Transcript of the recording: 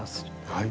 はい。